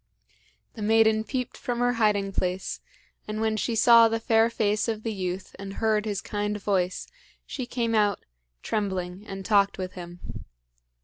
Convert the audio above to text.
The maiden peeped from her hiding place, and when she saw the fair face of the youth and heard his kind voice, she came out, trembling, and talked with him.